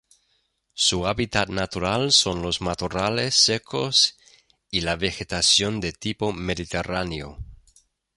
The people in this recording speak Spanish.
Su hábitat natural son los matorrales secos y la vegetación de tipo mediterráneo.